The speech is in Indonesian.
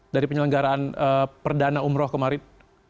dari penyelenggaraan perdana umroh kemarin